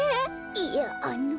いやあの。